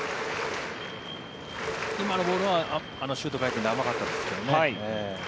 今のボールはシュート回転で甘かったですけどね。